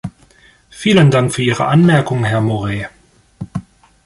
Vielen Dank für Ihre Anmerkungen, Herr Moraes.